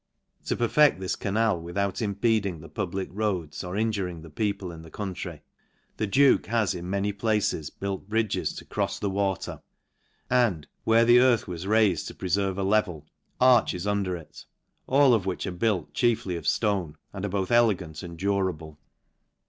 To perfect this canal with out impeding the public roads, or injuring the peo pie in the country, the duke has in many places built bridges to crofs the water, and (where the earth was raifed to prcferve a level) arches under it; all of which are built chiefly of ftone, and are both elegant and durable.